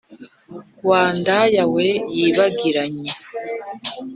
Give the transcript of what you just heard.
wa ndaya we yibagiranye!